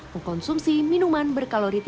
mengkonsumsi minuman berkaloritas